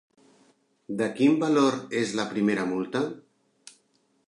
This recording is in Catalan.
De quin valor és la primera multa?